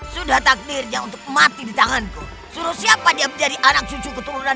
sudah takdirnya untuk mati di tanganku suruh siapa dia menjadi anak cucu keturunan